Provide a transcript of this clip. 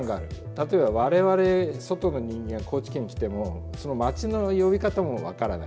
例えば我々外の人間が高知県に来ても町の呼び方も分からない。